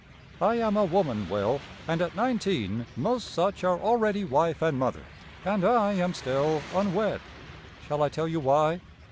"I am a woman, Will, and at nineteen most such are already wife and mother, and I am still unwed. Shall I tell you why?